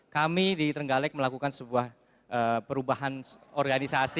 kami di terenggalek melakukan sebuah perubahan organisasi